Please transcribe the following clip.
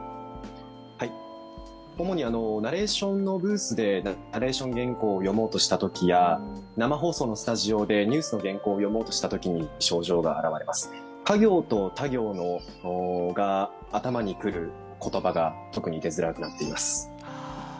主にナレーションのブースでナレーション原稿を読もうとしたときや生放送のスタジオでニュースの原稿を読もうとしたときに症状が表れます、か行とた行が頭にくる言葉が特に出づらくなっています。